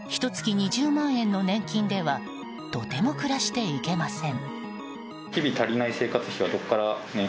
２０万円の年金ではとても暮らしていけません。